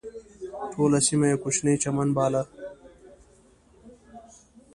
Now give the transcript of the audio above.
ټوله سیمه یې کوچنی چمن باله.